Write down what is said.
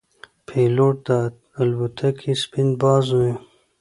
پیلوټ د الوتکې سپین باز وي.